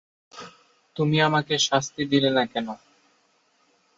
তুমি আমাকে শাস্তি দিলে না কেন।